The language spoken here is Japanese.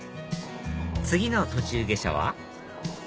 次の途中下車は？